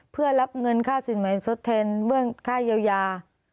เพื่อรับเงินค่าสินใหม่ทดแทนเบื้องค่าเยียวยา